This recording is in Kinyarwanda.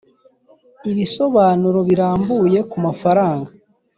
ibisobanuro birambuye ku mafaranga